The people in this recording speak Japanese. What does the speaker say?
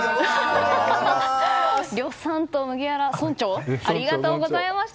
りょっさんと麦わら村長ありがとうございました。